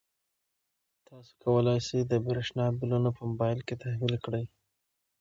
تاسو کولای شئ د برښنا بلونه په موبایل کې تحویل کړئ.